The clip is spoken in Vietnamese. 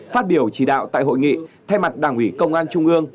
phát biểu chỉ đạo tại hội nghị thay mặt đảng ủy công an trung ương